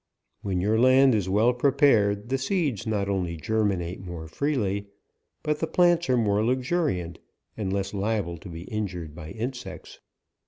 When your land is well prepared, the seeds not only ger minate more freely, but the plants are more luxuriant, and less liable to be injured by insects.